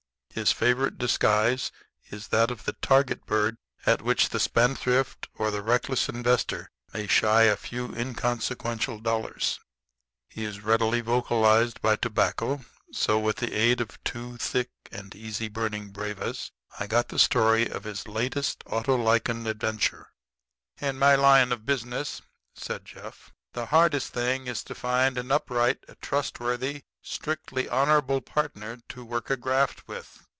His favorite disguise is that of the target bird at which the spendthrift or the reckless investor may shy a few inconsequential dollars. He is readily vocalized by tobacco; so, with the aid of two thick and easy burning brevas, I got the story of his latest Autolycan adventure. "In my line of business," said Jeff, "the hardest thing is to find an upright, trustworthy, strictly honorable partner to work a graft with.